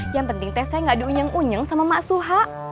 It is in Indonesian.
yang penting teh saya enggak diunyeng unyeng sama maksuha